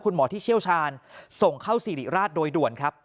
คุณหมอที่เชี่ยวชาญส่งเข้าสิริราชโดยด่วนครับ